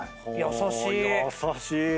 優しい！